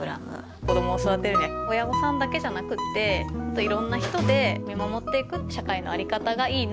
子供を育てるには親御さんだけじゃなくってもっといろんな人で見守っていく社会の在り方がいいな。